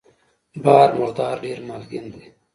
بحر مردار ډېر مالګین دی.